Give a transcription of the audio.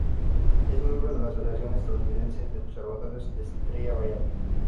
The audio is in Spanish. Es miembro de la Asociación Estadounidense de Observadores de Estrella Variable.